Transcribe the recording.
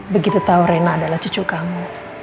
begitu tahu rena adalah cucu kamu